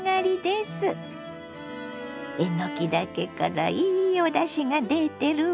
えのきだけからいいおだしが出てるわ。